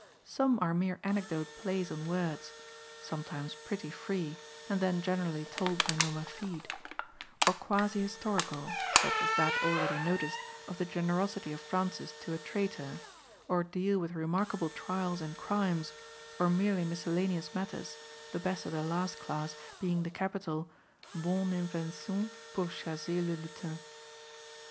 Some are mere anecdote plays on words (sometimes pretty free, and then generally told by Nomer fide), or quasi historical, such as that already noticed of the generosity of Francis to a traitor, or deal with remarkable trials and crimes, or merely miscellaneous matters, the best of the last class being the capital "Bonne invention pour chasser le lutin."